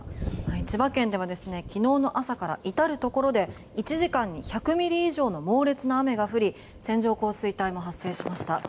千葉県では昨日の朝から至るところで１時間に１００ミリ以上の猛烈な雨が降り線状降水帯も発生しました。